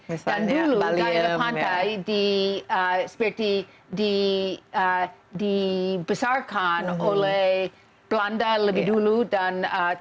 dan dulu daerah pantai seperti dibesarkan oleh belanda lebih dulu dan